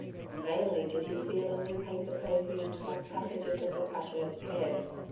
Vainly did he feelingly paint the perfumed love passages of the passionate pair.